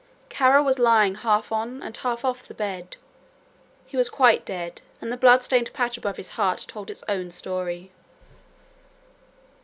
Kara was lying half on and half off the bed. He was quite dead and the blood stained patch above his heart told its own story.